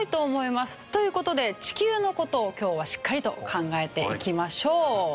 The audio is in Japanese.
という事で地球の事を今日はしっかりと考えていきましょう。